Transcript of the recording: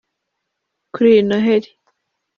Kuri iyi Noheli